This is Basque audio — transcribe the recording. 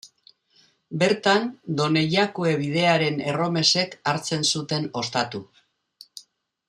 Bertan, Done Jakue bidearen erromesek hartzen zuten ostatu.